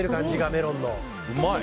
メロンの。